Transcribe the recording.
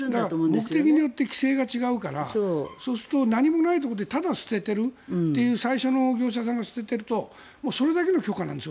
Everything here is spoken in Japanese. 目的によって違うからそうすると何もないところでただ捨ててる最初の業者さんが捨てているとそれだけの許可なんです。